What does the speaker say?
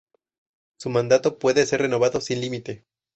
Su mandato puede ser renovado sin límite.